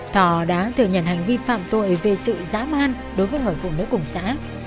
thọ đã thừa nhận hành vi phạm tội về sự giã man đối với người phụ nữ cùng xã